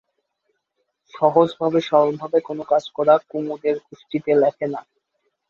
সহজভবে সরলভাবে কোনো কাজ করা কুমুদের কুষ্ঠিতে লেখে না।